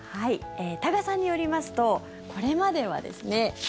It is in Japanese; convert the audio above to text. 多賀さんによりますとこれまではですね